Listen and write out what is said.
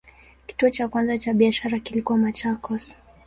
Kituo cha kwanza cha biashara kilikuwa Machakos.